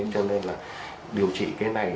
cho nên là điều trị cái này